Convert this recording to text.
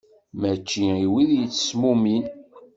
Mačči i wid yettesmumin.